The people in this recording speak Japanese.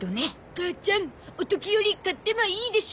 母ちゃんおときより買ってもいいでしょ？